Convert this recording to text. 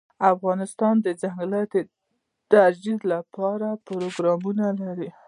افغانستان د ځنګلونه د ترویج لپاره پروګرامونه لري.